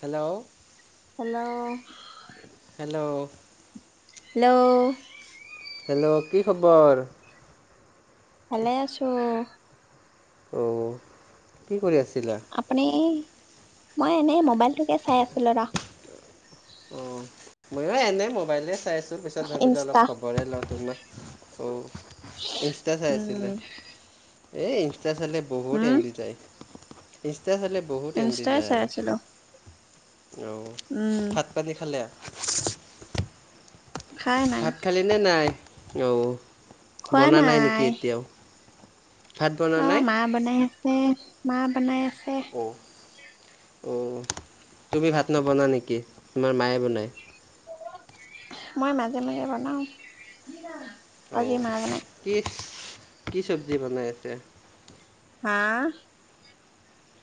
Hello hello hello hello hello কি খবৰ? ভালে আছো। অ কি কৰি আছ আপুনি? মই এনেই মোবাইলটোকে চাই আছিলো ৰ'। অ ময়ো এনে মোবাইলে চাই পিছত ভাবিলে অলপ ইনষ্টা খবৰে লওঁ তোমাৰ, অ', ইনষ্টা চাই আছিলে? উম এই ইনষ্টা চালে বহুত উম এম বি যায়। ইচ ষ্টা চালে বহুত এম বি ইনষ্টাই চাই যায়। আছিলো হেলো উম ভাত পানী খালে? খাই নাই ভাত খালি নে নাই? অ', বনা নাই নেকি এতিয়াও? ভাত বনা অ নাই মা বনাই এ মা বনাই আছ এ [unintelligible] অঁ তুমি ভাত নবনা নেকি তোমাৰ মায়ে বনায় মই মাজে মাজে বনাও আজি অ' মা বনাই কি কি চব্জি বনাই আছে। হা?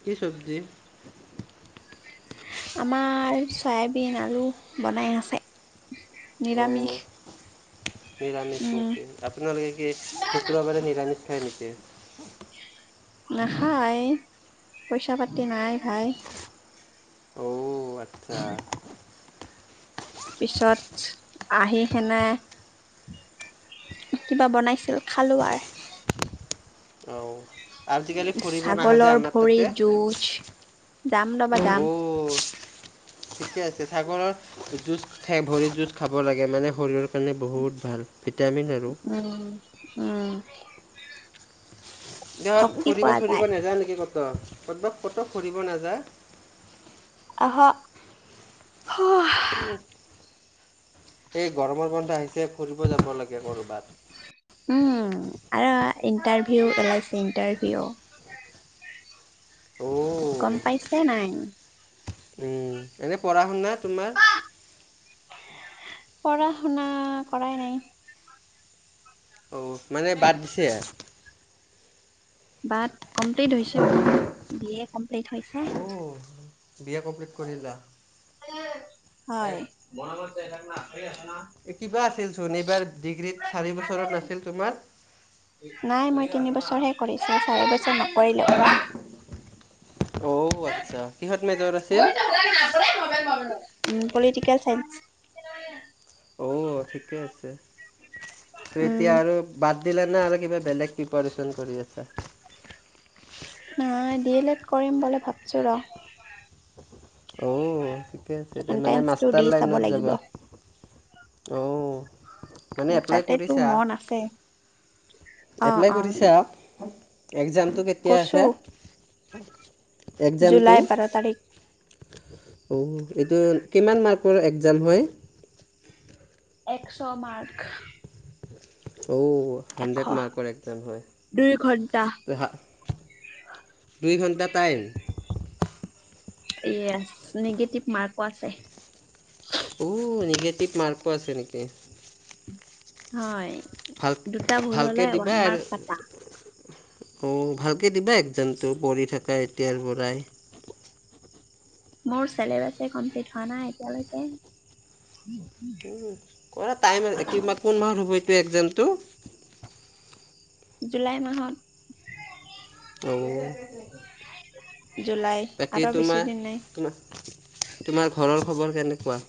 কি চবজি। আমাৰ চয়াবিন আলু বনাই আছে। অ' নিৰামিষ নিৰামিষ উম নেকি, আপোনালোকে কি শুক্ৰবাৰে নিৰামিষ হয় নেকি। নাখায়, পইচা পাতি নাই ভাই। আ পিছত আহি সেনে কিবা বনাইছিল খালো আৰু। অ' আজিকালি ফুৰিব নাহা যে ছাগলৰ আমাৰ তাতে? ভৰিত যুঁজ যাম ৰ'বা যাম। অ' ঠিকে আছে, ছাগলৰ জুজ খাই ভৰি জুজ খাব লাগে মানে শৰীৰৰ কাৰণে বহুত ভাল। ভিটামিন আৰু। উম উম জাত শক্তি ঘূৰিব পোৱা চোৰিব যায় নাযায় নেকি ক'তবা - ক'তবা ফুৰিব নাযা। আহা [unintelligible] এই গৰমৰ বন্ধ আহিছে ফুৰিব যাব লাগে কৰ'বাত। উম আৰু ইণ্টাৰভিউ পেলাইছে ইণ্টাৰভিউ। অ' এ নাই। উম, এনে পঢ়া শুনা, তোমাৰ। পঢ়া শুনা কৰাই নাই। অ' মানে বাদ দিছে। বাট কমপ্লিট হৈছে মৰ, বি য়ে। কমপ্লিট হৈছে। অ' বি এ কমপ্লিট কৰিলা। হয়। কিবা আছিল চোন, এইবাৰ ডিগ্ৰীত চাৰি বছৰত নাছিল তোমাৰ। নাই মই তিনি বছৰহে কৰিছোঁ, চাৰি বছৰ নকৰিলো ৰ'বা। আচচা [unintelligible] উম পলিটিকেল চাইনচ। অ' ঠিকে আছে। ত উম এতিয়া আৰু বাদ দিলা নে আৰু কিবা বেলেগ প্ৰিপাৰ্যন কৰি আছা নাই ডি এল এড কৰিম বুলি ভাবিছো ৰ অ' ঠিকে আছে এতি মানে এন্ট্ৰেন্সটো দি মাষ্টাৰ চাব লাইনত লাগিব যাবা অঁ মানে এপ্লাই তাতে তোৰ কৰিছা মন আছে অ এপ্লাই অ কৰিছো আৰু এক্জামটো কেতিয়া কৰছো আছে এক্জামটো জুলাই বাৰ তাৰিখ [inaudible] অঁ এইটো কিমান মাৰ্কৰ একজাম হয় একশ মাৰ্ক অঁ এশ হাণ্ড্ৰেড মাৰ্কৰ একজাম দুই ঘন্টা হয়া দুই ঘণ্টা টাইম এয়া নিগেটিভ মাৰ্কো আছে অ নিগেটিভ মাৰ্কো আছে নেকি হয় ভাল দুটা ভুল ভালকে হলে দিবা আৰু ওৱানমাৰ্ক কটা অ ভাল দিবা একজতো পৰি থকা তোৰ বৰাই মোৰ চবাছে কমপ্লিট হোৱা নাই এতিয়ালৈকে কৰা টাইমিবা কোন মাহ হ'ব পে' একগ্জামটো জুলাই মাহত অ' জুলাই বাকী আৰু বেছি তোমাৰ দিন নাই তোমাৰ ঘৰৰ খবৰ কেনেকুৱা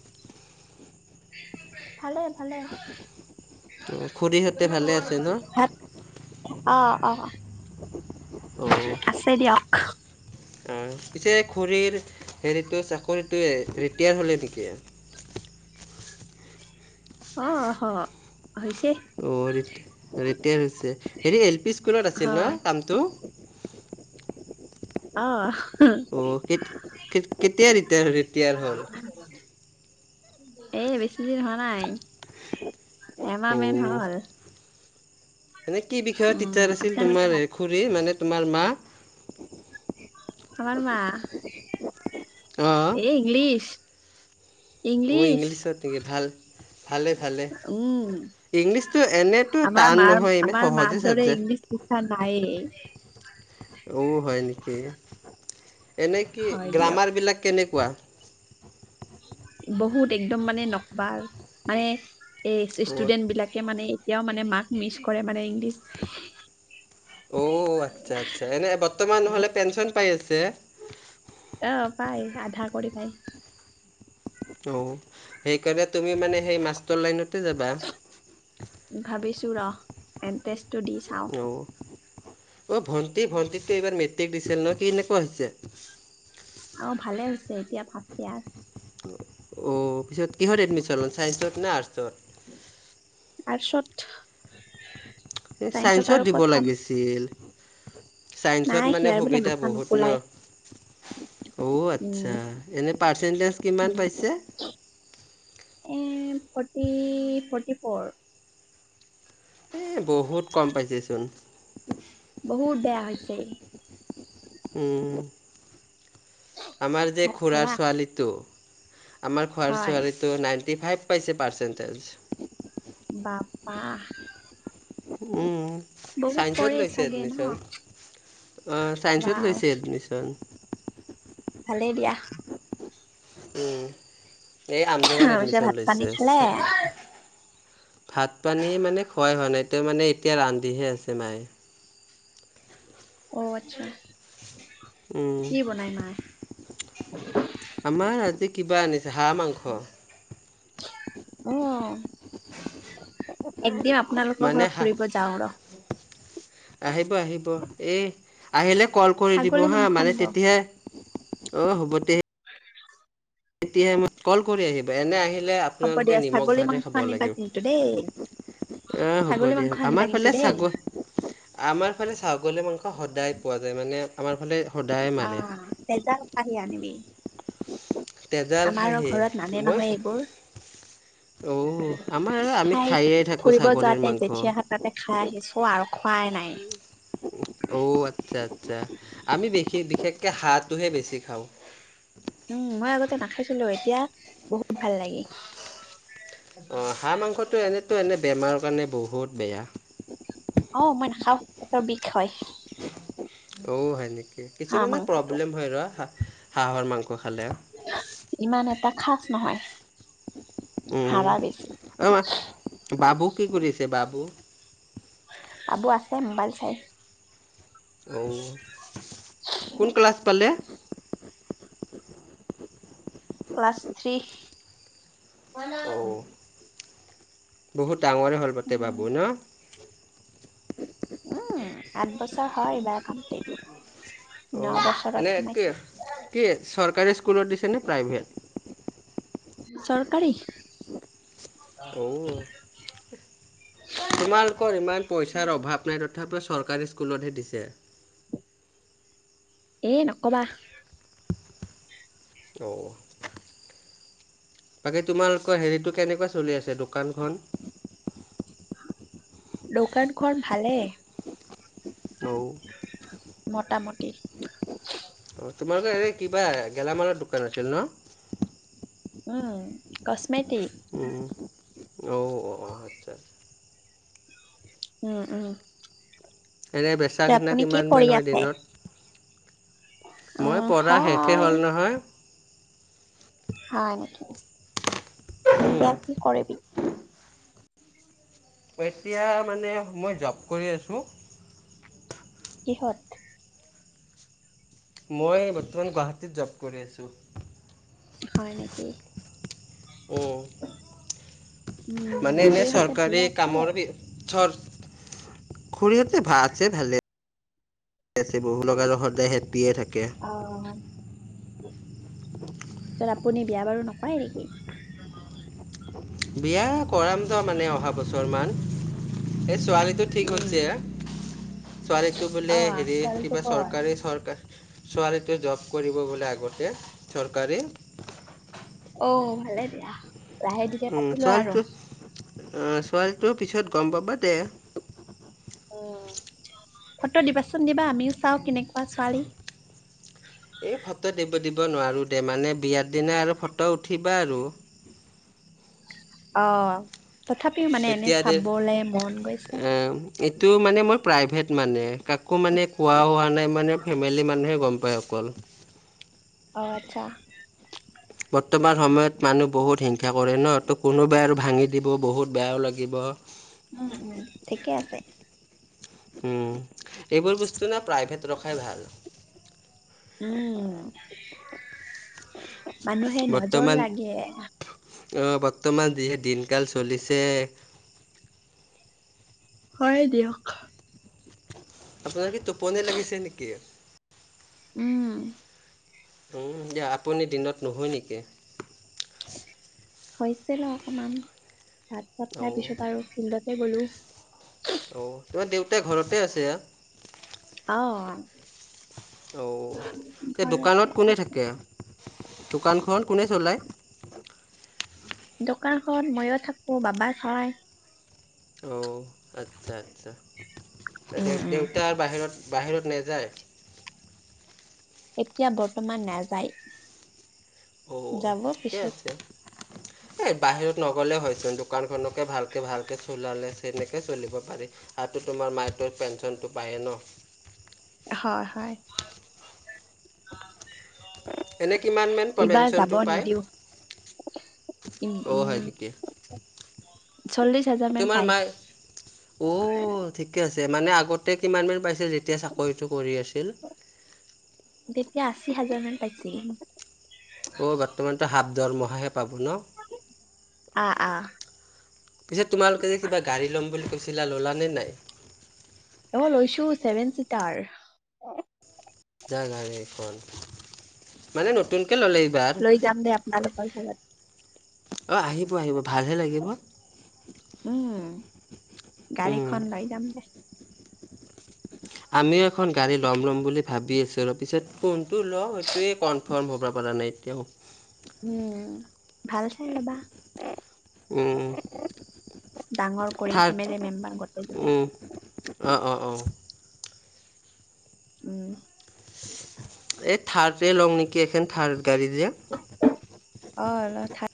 ভালে ভালে অ খুৰীহঁতে ভালে আছে ন ভাত অ অ অ' আছে দিয়ক পিছে খডুৰীৰ হেৰিটো চাকৰিটোৱে ৰিটায়াৰ হ'লে নেকি অহ অ ৰিটাৰ হৈছে হেৰি এল পি স্কুলত হ আছিল ন কামটো [inaudible] অ অ কে কেতিয়া তেয়া ডঙ এ বেছিদিন হোৱা নাই এম মেন হাল এনেে কি বিষয়ত টিচাৰ আছিল আপোনালোকে তোমাৰ ভাত খুৰী মানে। তোমাৰ মা। আমাৰ মা অ এ ইংলিছ। অ ইংলিছ ইংলিছত নেকি ভাল হয়। উম ইংলিছটো এনেতো আমাৰ টান মাৰ নহয় ইমান আমাৰ মাৰ সহজে দৰে চাবজেক্ট ইংলিছ শিক্ষা নায়ে হয় নেকি। এনেই কি হয় দিয়ক গ্ৰামাৰবিলাক কেনেকুৱা। বহুত একদম মানে নকবাৰ মানে। এ অ ষ্টুডেন্ট বিলাকে মানে। এতিয়াও মানে মাক্ মিচ কৰে মানে ইংলিছ। অ আচ্ছা আচ্ছা এনে। বৰ্তমান নহ'লে পেঞ্চন পাই আছে। অ পাই আধা কৰি পাই। অঁ সেইকাৰণে তুমি মানে সেই মাষ্টৰ লাইনতে যাবা। ভাবিছো ৰ এ টো দি চাওঁ হয়। অ' ভণ্টি ভণ্টি এইবাৰ মেট্ৰিক দিছে নয় কি এনেকুৱা হৈছে। অ ভালে হৈছে এতিয়া ফাৰ ইয়াৰ। অঁ পিছত কিহত এডমিশ্যন ল'ম ছায়েন্সত নে আৰ্টছত। আৰ্টছত এই চাইন্সত আৰু দিব ক'ত পাম লাগিছিল। ছাইন্সত নাই মানে সিয়াৰ বোলে সুবিধা মাথা বহুত ন নোকোলাই অ' উম আচ্ছা এনেই পাৰ্চেণ্টেজ কিমান উম, পাইছে। এ ফৰ্টি ফৰ্টি ফ'ৰ। এই বহুত কম পাইছেচোন। [inaudible] বহুত বেয়া হৈছে। উ, আমাৰ যে ভাত খুৰাৰ খালা ছোৱালীটো। আাৰ খোৱাৰ হয় ছোৱালীটোো নাইন। থৰ্টি ফাইভ পইচা পাৰ্চেণ্টেজ। বাপ্পা। উম। চাইন্সত লৈছে চাগে এডমিশন ন বা চাইন্ঞ্চত লৈছে এডমিশন ভালেই দিয়া উম এই আমজগাত তাৰপিছত এডমিশন ভাত পানী লৈছে খালে ভাত পানী মানে খুৱাই হোৱা নাই এতিয়া মানে এতিয়া ৰান্ধিহে আছে মায়ে অ আচ্ছা উ কি বনাই মায়ে [unintelligible] আমাৰ আজি কিবা আনিছে হাহমাংখ অ একদম আপোনালোকৰ মানে ঘৰত হা ফুৰিব যাওঁ ৰ আহিব আহিব এই আহিলে কল কৰি দিব ছাগলী হা মাংস মানে আনিব তেতিয়াহে অঁ হ'ব দে তেতিয়াহে মই কল কৰি আহিবা এনে আহি হ'ব আপোনালোকে দিয়া নিমখ ছাগলী ভাত মাংস খাব আনিবা লাগি কিন্তু দেই উম হ'ব ছাগলী দে মাংস আনিবা আমাৰ কিন্তু ফালে দেই আমাৰ ফালে ছাগলী মাংস সদায় পোৱা যায় মানে আমাৰ ফালে সদায় অ মাৰে তেজাৰ খাহি আনিবি তেজাল আমাৰো খাহী ঘৰত নানে মই নহয় এইবোৰ অ আমাৰ আমি সেই খায়ে থাকো ফুৰিব ছাগলীৰ যোৱাতে মাংস জেঠিয অহাৰ তাতে খাই আহিছো আৰু খোৱাই নাই অ আচ্ছা যে আমি বেশী বিশেষ মানে হাঁহটোহে বেছি খাওঁ এ নাখাইছিলো এতিয়া বহুত ভাল লাগে অ হাঁহ মাংসটো এনেতু এনে বেমাৰৰ কাৰণে বহুত বেয়া অ মই নখাওঁ পিছৰ বিষ হয় অ' হয় নেকি কিছুমানৰ হাঁহ মানে মাংসটো। প্ৰব্লেম হৈ ৰ হাঁহৰ মাংস খালে খাছ নহয় উম হাৰা বেছি। অম বাবু কি কৰি‌ আছে বাবু আাবু আছে মোবাইল চাই অ কোন ক্লাছ পালে ক্লাছ থ্ৰী অঁ বহুত ডাঙৰে হ'ল পাতে উম, বাবু ন উম আঠ বছৰ হয় এইবাৰ কমপ্লিট ন অ বছৰত এনে কি সোমাইছে। কি চৰকাৰী স্কুলত দিছেনে প্ৰাইভেট চৰকাৰী অ তোমালোকৰ ইমান পইচাৰ অভাৱ নাই তথাপি তথাপিও চৰকাৰী স্কুলতহে দিছে এ নকবা অঁ বাকী তোমালোকৰ হেৰিটো কেনেকুৱা চলি আছে দোকানখন দোকান খন ভালে অ মোটামুটি তোমালোকৰ এনে কিবা গেলামালৰ দোকান আছিল ন উম কচমেটিক উম অঁ অ আচ্ছা আচ্ছা উম উম এনে বেচা কিনা আপুনি কি কিমান মেন পঢ়ি হয় আছে? দিনত মই উম পঢ়া শেষেই হয় হ'ল নহয় হয় নেকি এতিয়া কি কৰিবি এতিয়া মানে মই জব কৰি আছোঁ কিহত মই বৰ্তমান গুৱাহাটীত জব কৰি আছোঁ হয় নেকি অ' উম মানে এনে খুৰীহঁতে চৰকাৰী ভালে আছে কামৰ চৰ খুৰিহঁতে আছে ভালেছে বহু লগা লগ হতিয়ে থাকে [unintelligible] থাকে অ ছাৰ আপুনি বিয়া বাৰু নকৰে নেকি? বিয়া কৰাম ত' মানে অহা বছৰ মান এ ছোৱালীটো ঠিক উম হৈছে ছোৱালীটো বোলে অ হেৰি ছোৱালীটো কিবা কৰ চৰকাৰী চৰকাৰ ছোৱালীটোৱে জব কৰিব বোলে আগতে চৰকাৰী। অ', ভালে দিয়া। লাহে ধীৰে উম পাতি লোৱা আৰু ছোৱালীটো ছোৱালীটোৰ পিছত গম পাবা দে। উ ফটো দিবাচোন দিবা আমিও চাও কেনেকুৱা ছোৱালী। এই ফটো দিব দিম। নোৱাৰোঁ দে বিয়াৰ দিন আৰু ফটো উঠিবা আৰু। অ', তথাপিও মানে এনে এতিয়া দে চাবলে মন গৈছে। এ এইটো মানে মই প্ৰাইভেট মানে কাকো মানে কোৱা হোৱা নাই। মানে ফেমিলি মানুহে গম অকল অ আচ্ছা। বৰ্তমান সময়ত মানুহ বহুত হিংসা কৰে ন তো কোনোবাই আৰু ভাঙি দিব বহুত বেয়াও লাগিব। উম উম ঠিকে আছে। এইবোৰ বস্তু ন প্ৰাইভেট ৰখাই ভাল। উম। মানুহে নজৰ বৰ্তমান লাগে। অ বৰ্তমান যিহে দিনকাল চলিছে। হয় দিয়ক। আপোনাৰ কি টোপনি লাগিছে নেকি? উম। উম দিয়া আপুনি দিনত নুশুৱে নেকি? শুইছিলোঁ অকণমান। ভাত চাত খাই অ' পিছত আৰু ফিল্ডত [unintelligible] অ তোমাৰ দেউ তে ঘৰতে আছে। অঁ, অ' তে দোকানত ঘৰতে কোনে আছে। থাকে দোকানখন কোনে চলায়? দোকানখন ময়ো থাকো বাবা চাই। অঁ, আচ্ছা আচ্ছা। উম, উম। দেউতাৰ বাহিৰত। বাহিৰত নে। এতিয়া বৰ্তমান নাযায়। অ যাব ঠিকে পিছত আছে এই বাহিৰত নগ'লে হয়চোন দোকানখনকে ভালকে ভালকৈ চলালে তেনেকৈ চলিব পাৰি আৰুাতো তোমাৰ মায় তৰ পেঞ্চনটো পায়েই ন হয় হয় এনে কিমান মান এইবাৰ যাব পেনশনটো পায়? নিদিও উ অঁ হয় উম নেকি। চল্লিশ হাজাৰ মান তোমাৰ পাই মাই অঁ ঠিকে আছে। মানে আগতে কিমান মান পাইছিল যেতিয়া চাকৰিটো কৰি আছিল? তেতিয়া আশী হাজাৰ মান পাইছিল। অ' বৰ্তমানটো হাব দৰমহাহে পাব ন আ আ পিছে তোমালোকে যে কিবা গাড়ী ল'ম বুলি কৈছিলা ল'লা নে নাই? অঁ লৈছো চেভেন চিটাৰ জা এইখন, মানে নতুন লৈ যাম দে আপোনালোকৰ ঘৰত অঁ আহিব আহিব ভালহে লাগিব [inaudible] উম উম, গাড়ীখন লৈ যাম দে আমিও এখন গাড়ী ল'ম ল'ম বুলি ভাবি আছো আৰু পিছত কোন ল সেইটোৱে ধৰ্ম ভব পৰা নাই এতিয়াও উম ভাল চাই লবা ডাঙৰ কৰি থাৰ ফেমিলি মেম্বাৰ গোটেই যাতে অঁ অঁ অঁ উম [inaudible] এক থাৰে লংনিকি এখন থাৰ্ অঁ অল থাৰ